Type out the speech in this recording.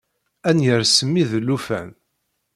Ad n-yers mmi d llufan.